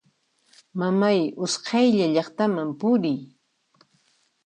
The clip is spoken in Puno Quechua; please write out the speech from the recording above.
Mamay usqhayta llaqtaman puriy!